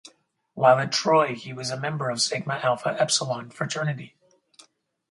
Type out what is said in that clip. While at Troy, he was a member of Sigma Alpha Epsilon fraternity.